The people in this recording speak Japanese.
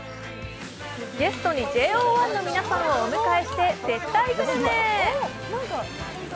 ゲストにＪＯ１の皆さんをお迎えして接待グルメ。